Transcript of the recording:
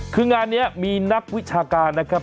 คืองานนี้มีนักวิชาการนะครับ